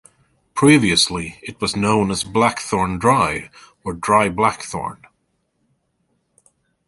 Previously it was known as Blackthorn Dry or Dry Blackthorn.